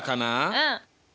うん。